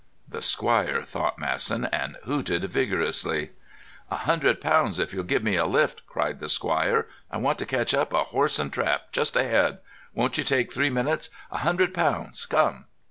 "The squire," thought Masson, and hooted vigorously. "A hundred pounds if you'll give me a lift," cried the squire. "I want to catch up a horse and trap—just ahead. Won't take you three minutes. A hundred pounds! Come!"